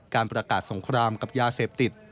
การประกาศสงครามกับยาเสพติด